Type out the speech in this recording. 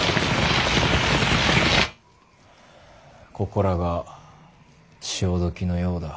ここらが潮時のようだ。